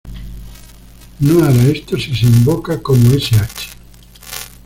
No hará esto si se invoca como sh.